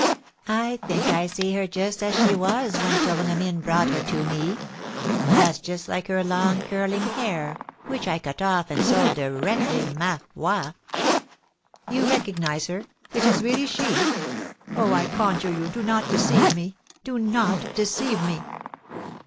I think I see her just as she was when Tournemine brought her to me. That's just like her long curling hair, which I cut off and sold directly, ma foi!" "You recognise her; it is really she? Oh, I conjure you, do not deceive me do not deceive me!"